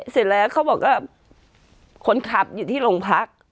เสร็จแล้วเขาบอกว่าคนขับอยู่ที่โรงพัก